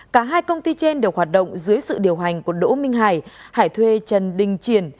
cả hai công ty trên đều hoạt động dưới sự điều hành của đỗ minh hải hải thuê trần đình triển